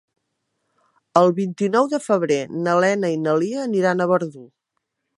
El vint-i-nou de febrer na Lena i na Lia aniran a Verdú.